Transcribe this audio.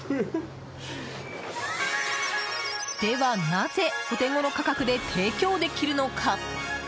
では、なぜお手ごろ価格で提供できるのか？